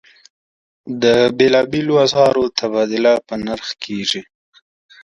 د بېلابېلو اسعارو تبادله په نرخ کېږي.